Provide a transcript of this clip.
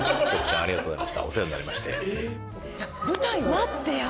「ありがとうございます」